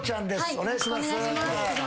お願いします。